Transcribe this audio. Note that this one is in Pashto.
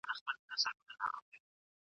خلګ وايي چي ځينې انسانان په خيالي نړۍ کي دي.